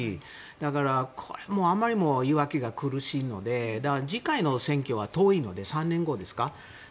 だから、これもあまりにも言い訳が苦しいので次回の選挙は遠いので３年後ですか。